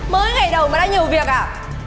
mới ngày đầu mà đã nhiều việc ạ